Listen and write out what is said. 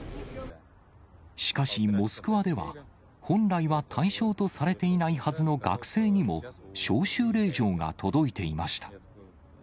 しかし、モスクワでは、本来は対象とされていないはずの学生にも、招集令状が届いていました。